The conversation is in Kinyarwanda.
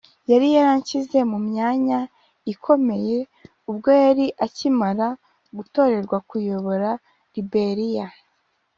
yari yarashyize mu myanya ikomeye ubwo yari akimara gutorerwa kuyobora Liberia